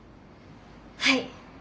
はい。